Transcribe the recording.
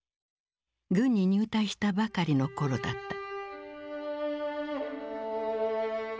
軍に入隊したばかりの頃だった。